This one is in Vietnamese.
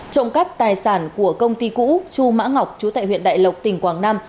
trộm cắp tài sản của công ty cũ chu mã ngọc chú tại huyện đại lộc tỉnh quảng nam